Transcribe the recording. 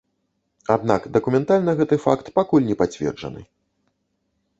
Аднак дакументальна гэты факт пакуль не пацверджаны.